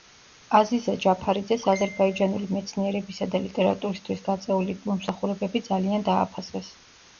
აზიზა ჯაფარაძეს აზერბაიჯანული მეცნიერებისა და ლიტერატურისთვის გაწეული მომსახურებები ძალიან დააფასეს.